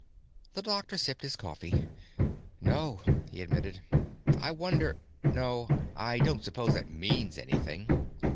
The doctor sipped his coffee. "No," he admitted. "I wonder—No, I don't suppose that means anything."